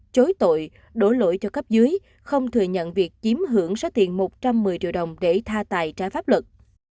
chối tội đổ lỗi cho cấp dưới không thừa nhận việc chiếm hưởng số tiền một trăm một mươi triệu đồng để tha tài trái pháp luật